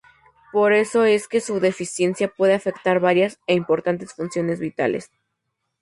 Por eso es que su deficiencia puede afectar varias e importantes funciones vitales.